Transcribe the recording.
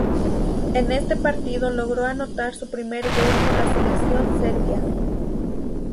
En este partido logró anotar su primer gol con la selección serbia.